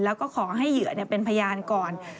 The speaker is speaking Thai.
แล้วก็ขอให้เหยื่อเป็นพยานก่อน